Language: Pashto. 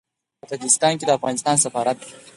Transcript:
په تاجکستان کې د افغانستان سفارت